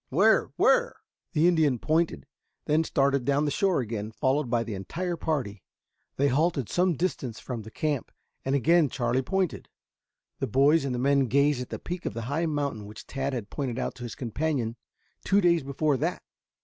"Where? Where?" The Indian pointed, then started down the shore again, followed by the entire party. They halted some distance from the camp, and again Charlie pointed. The boys and the men gazed at the peak of the high mountain which Tad had pointed out to his companion two days before that.